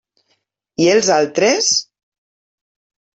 I els altres?